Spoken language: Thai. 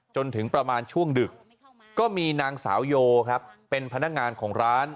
จนถึงประมาณช่วงดึกก็มีนางสาวโยครับเป็นพนักงานของร้าน